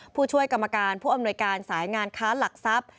ผู้ช่วยกรรมการผู้อำนวยการสายงานค้าหลักทรัพย์